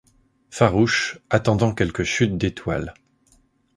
Farouches, attendant quelque chute d’étoile !